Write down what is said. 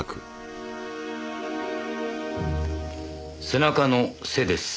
背中の「背」です。